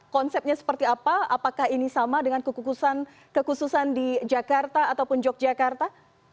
konsepnya seperti apa apakah ini sama dengan kekhususan di jakarta ataupun yogyakarta